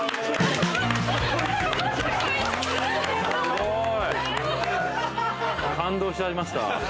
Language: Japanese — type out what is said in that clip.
すごい。